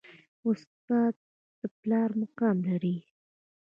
استاد د پلار مقام لري